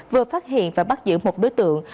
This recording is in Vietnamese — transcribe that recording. vừa phát hiện và bắt giữ một đối tượng